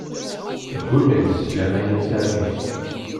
Teggul-as s laman i tesɛa deg-s.